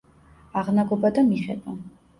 აღნაგობა და მიღება.